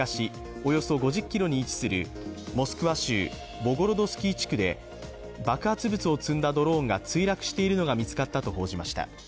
およそ５０ｋｍに位置するモスクワ州ボゴロドスキー地区で爆発物を積んだドローンが墜落しているのが見つかったと報じました。